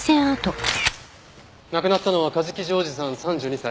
亡くなったのは梶木譲士さん３２歳。